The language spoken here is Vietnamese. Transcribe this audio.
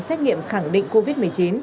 xét nghiệm khẳng định covid một mươi chín